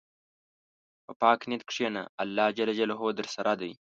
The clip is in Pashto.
په پاک نیت کښېنه، الله درسره دی.